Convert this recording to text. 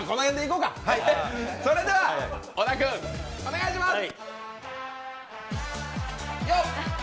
それでは、小田君、お願いします。